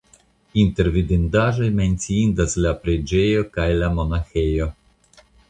Inter vidindaĵoj menciindas la preĝejo kaj la monaĥejo.